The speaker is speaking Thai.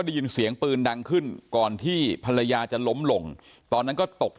ได้ยินเสียงปืนดังขึ้นก่อนที่ภรรยาจะล้มลงตอนนั้นก็ตก